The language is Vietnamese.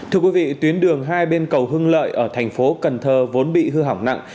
thưa quý vị tuyến đường hai bên cầu hưng lợi ở thành phố cần thơ vốn bị hư hỏng nặng